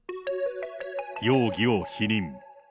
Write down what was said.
容疑を否認。